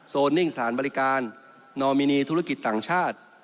นิ่งสถานบริการนอมินีธุรกิจต่างชาติ